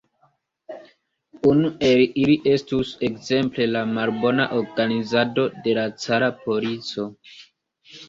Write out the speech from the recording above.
Unu el ili estus ekzemple la malbona organizado de la cara polico.